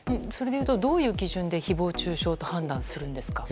どういう基準で誹謗中傷と判断するんですか？